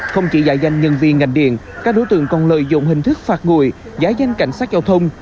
không chỉ giả danh nhân viên ngành điện các đối tượng còn lợi dụng hình thức phạt ngùi giả danh cảnh sát giao thông